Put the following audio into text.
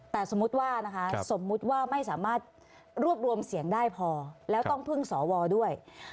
แต่สมมุติว่านะคะสมมุติว่าไม่สามารถรวบรวมเสียงได้พอแล้วต้องพึ่งสวด้วย